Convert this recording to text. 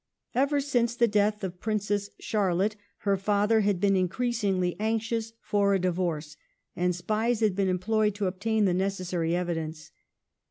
Ever since the death of Princess Charlotte her father had been increasingly anxious for a divorce, and spies had been employed to obtain the necessary evidence.